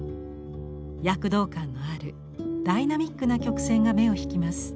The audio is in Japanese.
躍動感のあるダイナミックな曲線が目を引きます。